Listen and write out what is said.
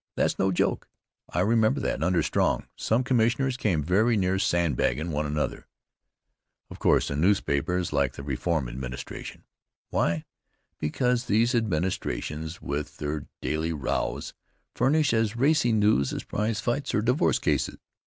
That's no joke. I remember that, under Strong, some commissioners came very near sandbaggin' one another. Of course, the newspapers like the reform administration. Why? Because these administrations, with their daily rows, furnish as racy news as prizefights or divorce cases.